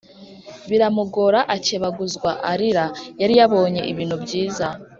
Biramugora akebaguzwa arira! Yari yabonye ibintu byiza